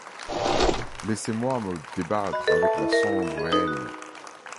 Laissez-moi me débattre avec la sombre haine.